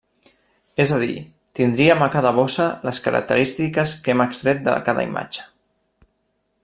És a dir, tindrem a cada bossa les característiques que hem extret de cada imatge.